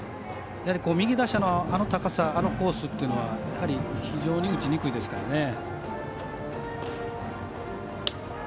やはり右打者のあの高さあのコースというのはやはり非常に打ちにくいですから。